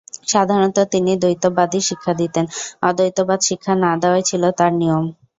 সাধারণত তিনি দ্বৈতবাদই শিক্ষা দিতেন, অদ্বৈতবাদ শিক্ষা না দেওয়াই ছিল তাঁর নিয়ম।